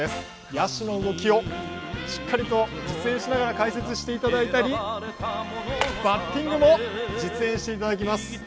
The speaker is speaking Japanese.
野手の動きをしっかりと実演しながら解説していただいたりバッティングも実演していただきます。